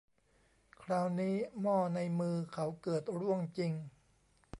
คราวนี้หม้อในมือเขาเกิดร่วงจริง